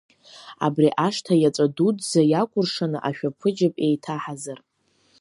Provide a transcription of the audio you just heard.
Абри ашҭа иаҵәа дуӡӡа иакәыршаны ашәаԥыџьаԥ еиҭаҳазар…